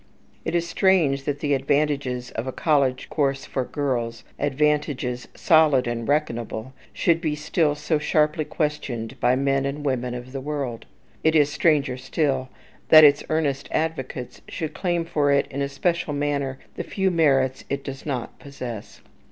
It is strange that the advantages of a college course for girls advantages solid and reckonable should be still so sharply questioned by men and women of the world. It is stranger still that its earnest advocates should claim for it in a special manner the few merits it does not possess.